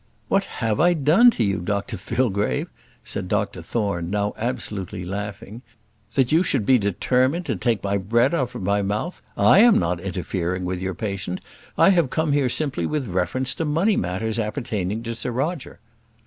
"What have I done to you, Dr Fillgrave," said Dr Thorne, now absolutely laughing, "that you should determine to take my bread out of my mouth? I am not interfering with your patient. I have come here simply with reference to money matters appertaining to Sir Roger."